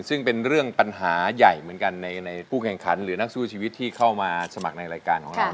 ซึ่งเป็นเรื่องปัญหาใหญ่เหมือนกันในผู้แข่งขันหรือนักสู้ชีวิตที่เข้ามาสมัครในรายการของเรา